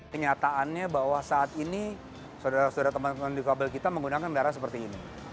ternyataannya bahwa saat ini saudara saudara teman teman difabel kita menggunakan darah seperti ini